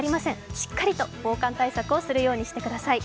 しっかりと防寒対策をするようにしてください。